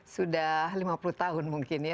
sudah lima puluh tahun mungkin ya